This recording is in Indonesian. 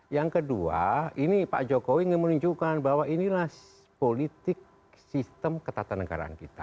yang kedua ini pak jokowi ingin menunjukkan bahwa inilah politik sistem ketatanegaraan kita